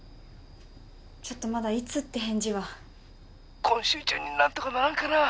ちょっとまだいつって返事は☎今週中に何とかならんかな？